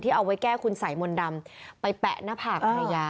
ที่เอาไว้แก้ขุนไสมนดำไปแปะหน้าผากภรรยา